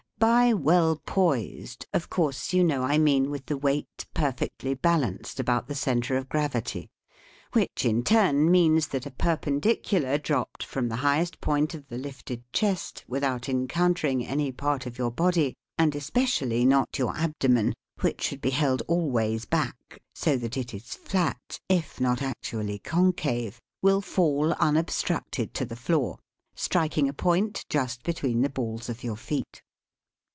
By well poised, of course you know I mean \ with the weight perfectly balanced about the ! centre of gravity, which, in turn, means that a perpendicular dropped from the highest point of the lifted chest without encounter ing any part of your body, and especially not your abdomen (which should be held always back, so that it is flat, if not actually con cave) will fall unobstructed to the floor, strik ii THE SPEAKING VOICE ing a point just between the balls of your feet.